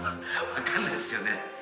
分かんないっすよね。